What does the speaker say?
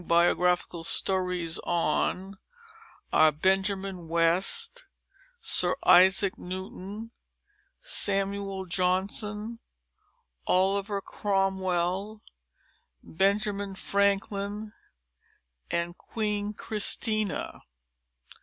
BIOGRAPHICAL STORIES BENJAMIN WEST, SIR ISAAC NEWTON, SAMUEL JOHNSON OLIVER CROMWELL, BENJAMIN FRANKLIN, QUEEN CHRISTINA.